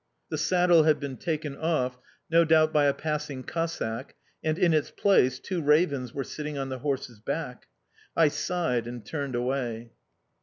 The saddle had been taken off, no doubt by a passing Cossack, and, in its place, two ravens were sitting on the horse's back. I sighed and turned away...